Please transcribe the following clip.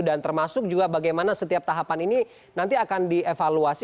dan termasuk juga bagaimana setiap tahapan ini nanti akan dievaluasi